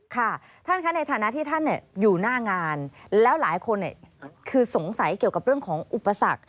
ค่ะท่านคะในฐานะที่ท่านอยู่หน้างานแล้วหลายคนคือสงสัยเกี่ยวกับเรื่องของอุปสรรค